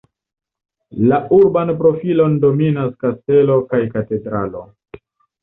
La urban profilon dominas kastelo kaj katedralo.